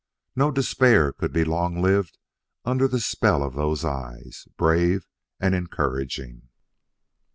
No despair could be long lived under the spell of those eyes, brave and encouraging.